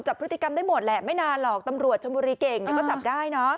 จับพฤติกรรมได้หมดแหละไม่นานหรอกตำรวจชนบุรีเก่งเดี๋ยวก็จับได้เนอะ